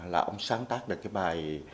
là ông sáng tác được cái bài